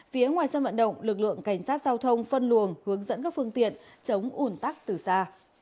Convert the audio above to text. phía ngoài sân vận động lực lượng cảnh sát giao thông phân luồng hướng dẫn các phương tiện chống ủn tắc từ xa